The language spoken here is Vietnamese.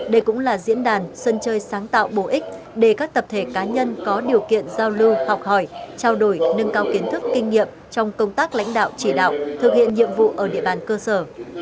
đây cũng là diễn đàn sân chơi sáng tạo bổ ích để các tập thể cá nhân có điều kiện giao lưu học hỏi trao đổi nâng cao kiến thức kinh nghiệm trong công tác lãnh đạo chỉ đạo thực hiện nhiệm vụ ở địa bàn cơ sở